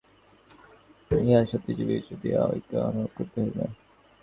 ইহাও সত্য যে, এই বৈচিত্র্যের ভিতর দিয়া ঐক্য অনুভব করিতে হইবে।